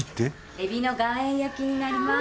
エビの岩塩焼きになります。